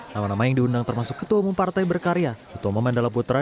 nama nama yang diundang termasuk ketua umum partai berkarya ketua umum mandala putra